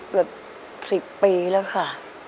เกือบ๑๐ปีแล้วค่ะ